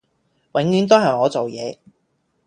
永遠都係我做野